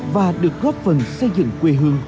và được góp phần xây dựng quê hương